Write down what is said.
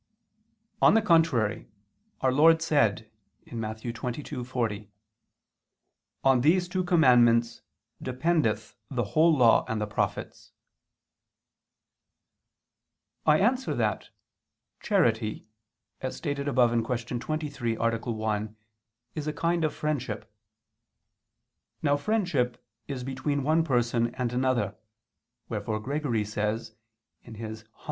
On the contrary, Our Lord said (Matt. 22:40): "On these two commandments dependeth the whole Law and the prophets." I answer that, Charity, as stated above (Q. 23, A. 1), is a kind of friendship. Now friendship is between one person and another, wherefore Gregory says (Hom.